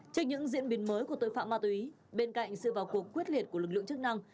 trên những diễn biến mới của tội phạm ma túy bên cạnh sự vào cuộc quyết liệt của lực lượng chức năng